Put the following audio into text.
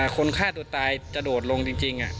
คนฆ่าตัวตายจะโดดลงจริง